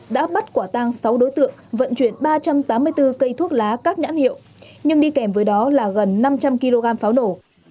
đã bắt quả tang sáu đối tượng vận chuyển ba trăm tám mươi bốn cây thuốc lá các nhãn hiệu nhưng đi kèm với đó là gần năm trăm linh kg pháo nổ